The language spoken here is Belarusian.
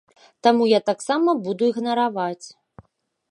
Таму я таксама буду ігнараваць.